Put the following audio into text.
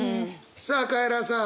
さあカエラさん。